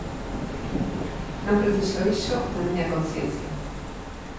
Non preciso iso na miña conciencia.